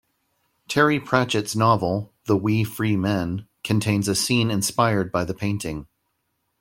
Terry Pratchett's novel "The Wee Free Men" contains a scene inspired by the painting.